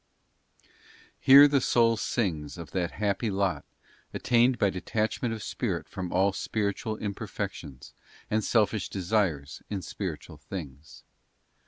ae ERE the soul sings of that happy lot, attained by a detachment of spirit from all spiritual imperfections, Pawatbace and selfish desires in spiritual things.